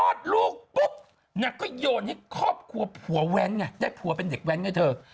ลูกปุ๊บนางก็โยนให้ครอบครัวผัวแว้นไงได้ผัวเป็นเด็กแว้นไงเธอ